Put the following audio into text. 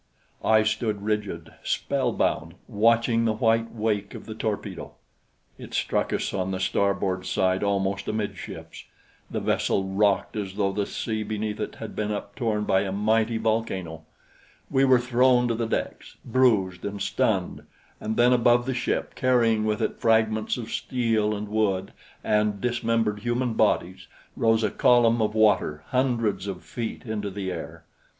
I stood rigid, spellbound, watching the white wake of the torpedo. It struck us on the starboard side almost amidships. The vessel rocked as though the sea beneath it had been uptorn by a mighty volcano. We were thrown to the decks, bruised and stunned, and then above the ship, carrying with it fragments of steel and wood and dismembered human bodies, rose a column of water hundreds of feet into the air.